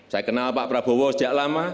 saya kenal pak prabowo sejak lama